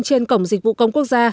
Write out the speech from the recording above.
trên cổng dịch vụ công quốc gia